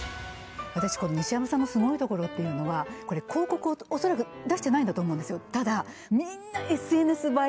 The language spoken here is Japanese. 私この西山さんのスゴいところっていうのはこれ広告をおそらく出してないんだと思うんですよ